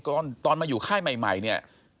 ตอนมาอยู่ค่ายใหม่เนี่ย